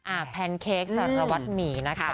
อ่าแพนเค้กสรุปหวัดหมี่นะครับ